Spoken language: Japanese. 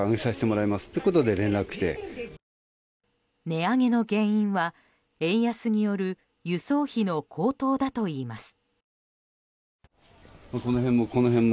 値上げの原因は、円安による輸送費の高騰だといいます。